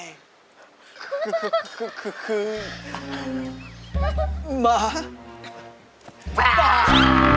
วิ่งเร็วดีกว่าวิ่งเร็วดีกว่า